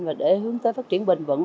và để hướng tới phát triển bền vững